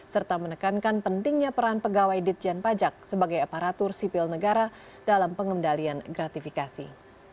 serta menekankan pentingnya peran pegawai ditjen pajak sebagai aparatur sipil negara dalam pengendalian gratifikasi